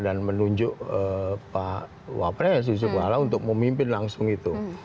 dan menunjuk pak wapren susukwala untuk memimpin langsung itu